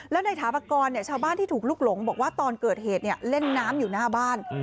แล้วในถาปกรณ์ชาวบ้านที่ถูกลุกหลงบอกว่าตอนเกิดเหตุเล่นน้ำอยู่หน้าบ้าน